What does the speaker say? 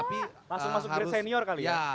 masuk masuk grade senior kali ya